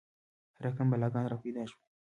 هر رقم بلاګان را پیدا شول.